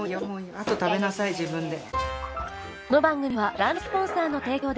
あと食べなさい自分で。